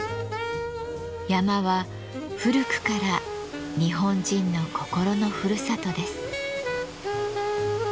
山は古くから日本人の心のふるさとです。